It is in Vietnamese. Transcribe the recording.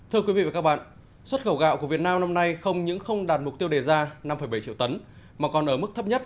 hãy đăng ký kênh để ủng hộ kênh của mình nhé